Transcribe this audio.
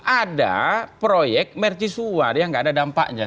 ada proyek mercusuar yang nggak ada dampaknya